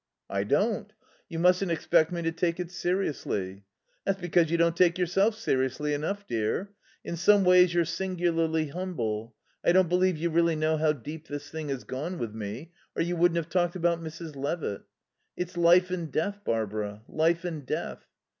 "I don't. You mustn't expect me to take it seriously." "That's because you don't take yourself seriously enough, dear. In some ways you're singularly humble. I don't believe you really know how deep this thing has gone with me, or you wouldn't have talked about Mrs. Levitt.... "... It's life and death, Barbara. Life and death....